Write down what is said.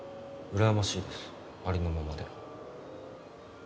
羨ましいですありのままで。